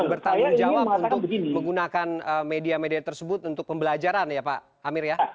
dan bertanggung jawab untuk menggunakan media media tersebut untuk pembelajaran ya pak amir ya